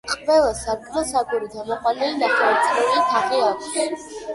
ყველა სარკმელს აგურით ამოყვანილი ნახევარწრიული თაღი აქვს.